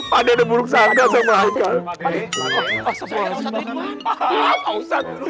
pak ade pak sopam pak sopam